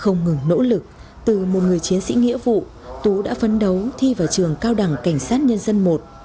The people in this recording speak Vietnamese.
không ngừng nỗ lực từ một người chiến sĩ nghĩa vụ tú đã phấn đấu thi vào trường cao đẳng cảnh sát nhân dân i